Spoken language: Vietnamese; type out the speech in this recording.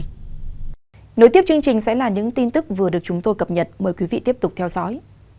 nối tiếp chương trình sẽ là những tin tức vừa được chúng tôi cập nhật mời quý vị tiếp tục theo dõi